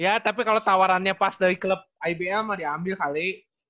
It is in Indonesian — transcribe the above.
ya tapi kalau tawarannya pas dari klub ibl mau diambil kali